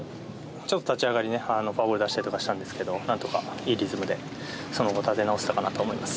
ちょっと立ち上がりフォアボール出したりしたんですけど何とかいいリズムでその後立て直せたと思います。